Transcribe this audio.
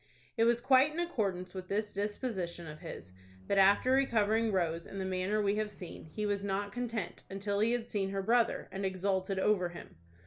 It was quite in accordance with this disposition of his, that, after recovering Rose in the manner we have seen, he was not content, until he had seen her brother, and exulted over him.